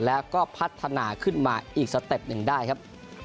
แล้วก็พัฒนาขึ้นมาอีกสเต็ปหนึ่งได้ครับ